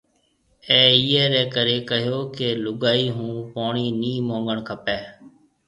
اَي اِيئي رَي ڪريَ ڪهيو ڪيَ لُگائي هون پوڻِي نِي مونگڻ کپيَ۔